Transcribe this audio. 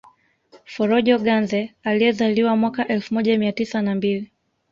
Forojo Ganze aliyezaliwa mwaka elfu moja mia tisa na mbili